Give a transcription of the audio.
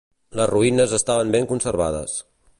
Les ruïnes estaven ben conservades.